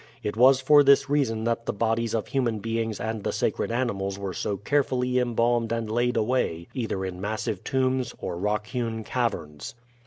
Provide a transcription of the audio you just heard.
It was for this reason that the bodies of human beings and the sacred animals were so carefully embalmed and laid away either in massive tombs or rock hewn caverns.